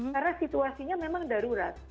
karena situasinya memang darurat